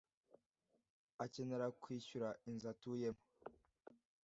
acyenera kwishyura inzu atuyemo